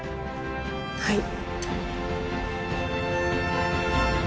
はい。